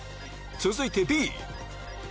続いてＢ